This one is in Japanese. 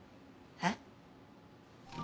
えっ？